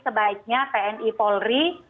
sebaiknya tni polri